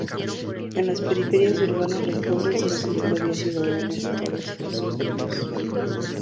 En las periferias urbanas los pobres no son todavía ciudadanos a todos los efectos.